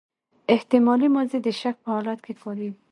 احتمالي ماضي د شک په حالت کښي کاریږي.